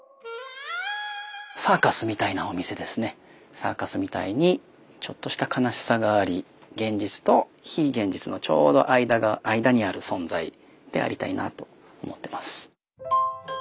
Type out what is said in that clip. サーカスみたいにちょっとした悲しさがあり現実と非現実のちょうど間にある存在でありたいなと思ってます。